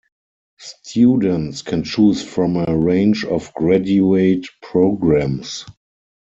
Students can choose from a range of graduate programmes.